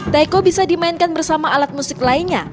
taiko bisa dimainkan bersama alat musik lainnya